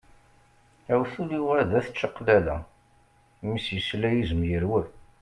Awtul yuɣal d at čaqlala, mi s-yesla yizem yerwel.